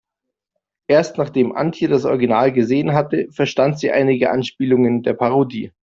Erst nachdem Antje das Original gesehen hatte, verstand sie einige Anspielungen der Parodie.